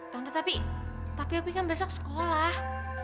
tante tapi tapi opi kan besok sekolah